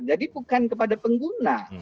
jadi bukan kepada pengguna